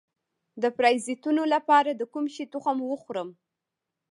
د پرازیتونو لپاره د کوم شي تخم وخورم؟